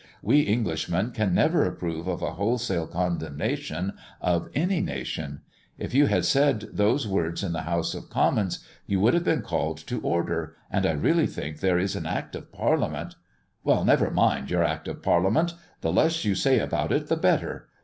We Englishmen can never approve of a wholesale condemnation of any nation. If you had said those words in the House of Commons, you would have been called to order; and I really think there is an Act of Parliament " "Well never mind your Act of Parliament! the less you say about it the better.